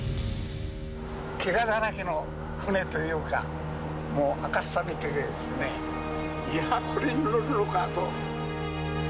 けがだらけの船というか、もう赤さびてて、いや、これに乗るのかと。